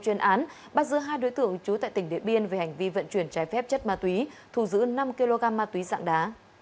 chuyên án bắt giữ hai đối tượng trú tại tỉnh điện biên về hành vi vận chuyển trái phép chất ma túy thù giữ năm kg ma túy dạng đá